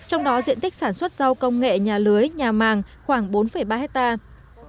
trong đó diện tích sản xuất rau công nghệ nhà lưới nhà màng khoảng bốn ba hectare